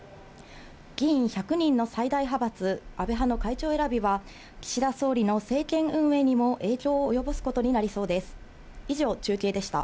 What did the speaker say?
議員１００人の最大派閥、安倍派の会長選びは、岸田総理の政権運営にも影響を及ぼすことになりそうです。